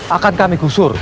akan kami gusur